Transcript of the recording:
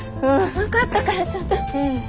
分かったからちょっと。